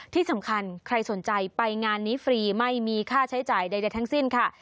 ที่สำคัญใครสนใจไปงานนี้ฟรีไม่มีค่าใช้จ่ายใดทั้งสิ้นค่ะ